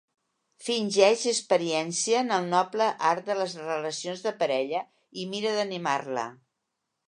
Fingeix experiència en el noble art de les relacions de parella i mira d'animar-la.